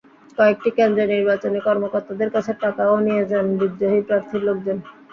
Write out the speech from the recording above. কয়েকটি কেন্দ্রে নির্বাচনী কর্মকর্তাদের কাছে টাকাও নিয়ে যান বিদ্রোহী প্রার্থীর লোকজন।